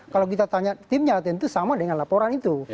kalau kita tanya timnya tentu sama dengan laporan itu